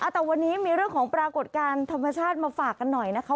แต่วันนี้มีเรื่องของปรากฏการณ์ธรรมชาติมาฝากกันหน่อยนะคะ